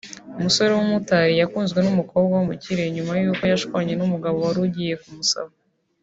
Umusore w’umumotari yakunzwe n’umukobwa w’umukire nyuma y’uko ashwanye n’umugabo wari ugiye kumusaba